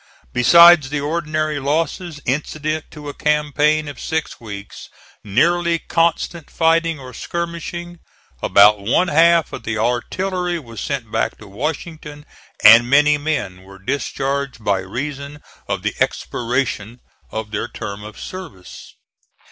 Besides the ordinary losses incident to a campaign of six weeks' nearly constant fighting or skirmishing, about one half of the artillery was sent back to Washington, and many men were discharged by reason of the expiration of their term of service.